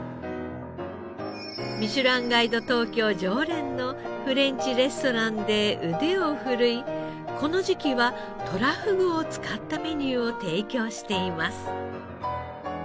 ミシュランガイド東京常連のフレンチレストランで腕をふるいこの時期はとらふぐを使ったメニューを提供しています。